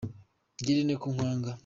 ngirente ko kwanga